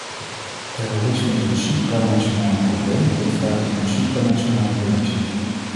Terrorisme is een supranationaal probleem dat vraagt om een supranationale reactie.